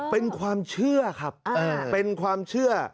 เป็นความเชื่อครับเป็นความเชื่อ